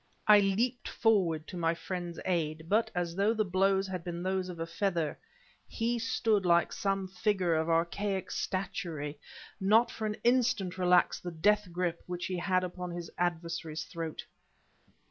I leaped forward to my friend's aid; but as though the blows had been those of a feather, he stood like some figure of archaic statuary, nor for an instant relaxed the death grip which he had upon his adversary's throat.